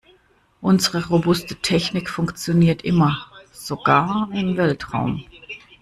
Unsere robuste Technik funktioniert immer, sogar im Weltraum.